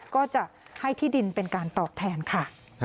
ก็จะให้ที่ดินเป็นการตอบแทนค่ะ